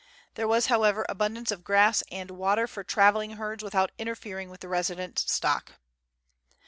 There was, however, abundance of grass and water for travelling herds without interfering with the resident stock.